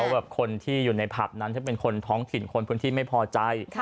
แบบคนที่อยู่ในผับนั้นถ้าเป็นคนท้องถิ่นคนพื้นที่ไม่พอใจ